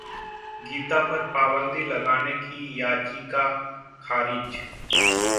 गीता पर पाबंदी लगाने की याचिका खारिज